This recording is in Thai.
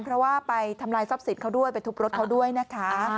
เพราะว่าไปทำลายทรัพย์สินเขาด้วยไปทุบรถเขาด้วยนะคะ